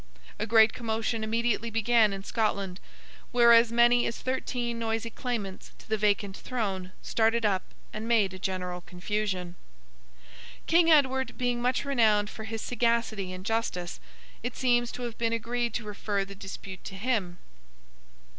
A great commotion immediately began in Scotland, where as many as thirteen noisy claimants to the vacant throne started up and made a general confusion. King Edward being much renowned for his sagacity and justice, it seems to have been agreed to refer the dispute to him.